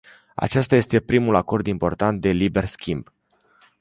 Acesta este primul acord important de liber schimb.